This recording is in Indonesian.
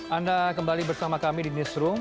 anda kembali bersama kami di newsroom